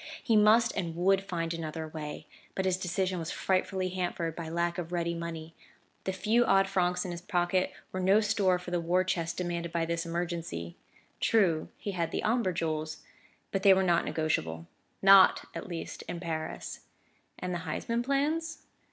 He must and would find another way; but his decision was frightfully hampered by lack of ready money; the few odd francs in his pocket were no store for the war chest demanded by this emergency. True, he had the Omber jewels; but they were not negotiable not at least in Paris. And the Huysman plans?